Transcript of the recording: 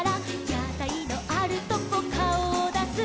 「やたいのあるとこかおをだす」